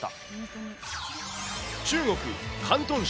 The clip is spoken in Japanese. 中国・広東省。